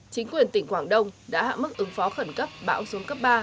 chính quyền tỉnh quảng đông đã hạ mức ứng phó khẩn cấp bão xuống cấp ba